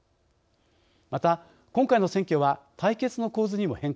また今回の選挙は対決の構図にも変化が見られます。